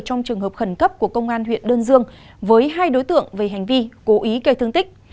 trong trường hợp khẩn cấp của công an huyện đơn dương với hai đối tượng về hành vi cố ý gây thương tích